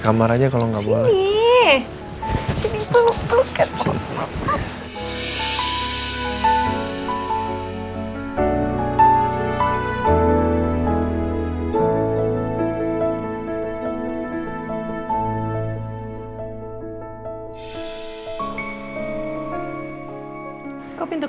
kamu yang fotoin mas